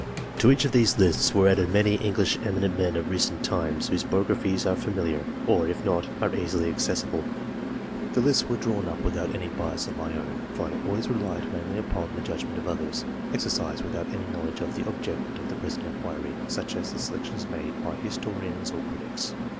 To each of these lists were added many English eminent men of recent times, whose biographies are familiar, or, if not, are easily acces sible. The lists were drawn up without any bias of my own, for I always relied mainly upon the judgment of others, exercised without any knowledge of the object of the present inquiry, such as the selections made by his torians or critics.